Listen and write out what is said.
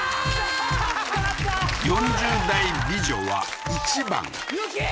４０代美女は１番ゆきー！